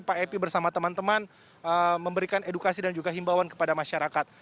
pak epi bersama teman teman memberikan edukasi dan juga himbawan kepada masyarakat